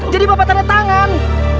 jadi bapak tanda tangan